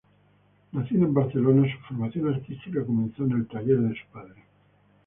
Nacido en Barcelona, su formación artística comenzó en el taller de su padre.